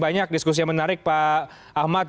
banyak diskusi yang menarik pak ahmad